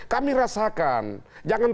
kami rasakan jangan